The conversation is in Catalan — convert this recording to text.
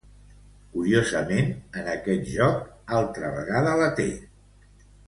Curiosament, en aquest joc altra vegada la té.